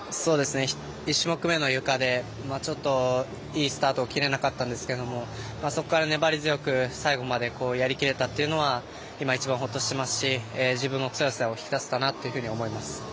１種目めのゆかでいいスタートを切れなかったんですけれどもそこから粘り強く最後までやり切れたのは今一番ほっとしていますし自分の強さを引き出せたなというふうに思います。